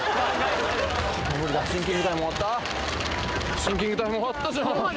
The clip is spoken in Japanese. シンキングタイム終わったじゃん。